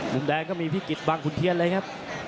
มุมแดงก็มีพิกิจบางขุนเทียนเลยครับ